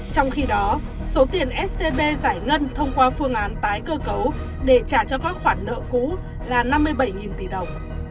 trong khi đó số tiền scb giải ngân thông qua phương án tái cơ cấu để trả cho các khoản nợ cũ là năm mươi bảy tỷ đồng